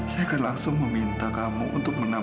saya akan langsung meminta kamu untuk menampung